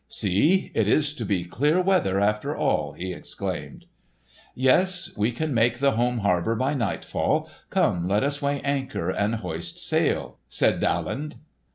"See! it is to be clear weather, after all!" he exclaimed. "Yes, we can make the home harbour by nightfall. Come, let us weigh anchor and hoist sail!" said Daland.